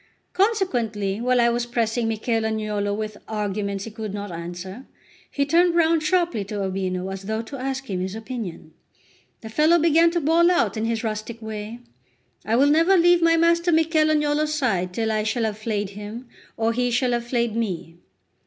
Consequently, while I was pressing Michel Agnolo with arguments he could not answer, he turned round sharply to Urbino, as though to ask him his opinion. The fellow began to bawl out in his rustic way: "I will never leave my master Michel Agnolo's side till I shall have flayed him or he shall have flayed me."